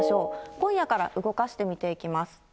今夜から動かして見ていきます。